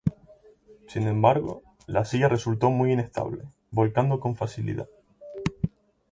Sin embargo, la silla resultó muy inestable, volcando con facilidad.